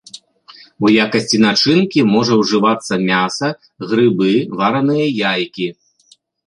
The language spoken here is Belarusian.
У якасці начынкі можа ўжывацца мяса, грыбы, вараныя яйкі.